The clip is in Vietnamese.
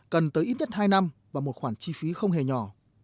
cần tới ít nhất hai năm và một khoản chi phí không hề nhỏ